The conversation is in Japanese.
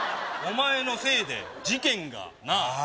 お前のせいで事件がなあ